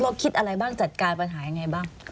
คิดอะไรบ้างจัดการปัญหายังไงบ้าง